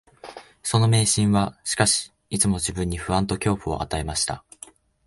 その迷信は、しかし、いつも自分に不安と恐怖を与えました